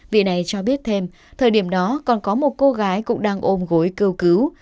vị này cho biết thêm thời điểm đó còn có một cô gái cũng đang ôm gối kêu cứu